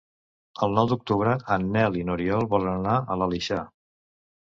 El nou d'octubre en Nel i n'Oriol volen anar a l'Aleixar.